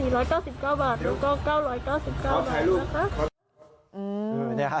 แล้วก็๙๙๙บาทนะคะ